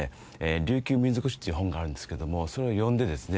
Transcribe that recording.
琉球民俗誌という本があるんですけどもそれを読んでですね